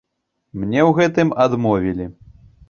Мне ў гэтым адмовілі.